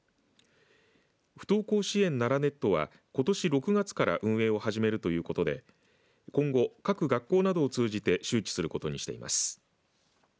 不登校支援ならネットはことし６月から運営を始めるということで今後、各学校などを通じて周知することにしています。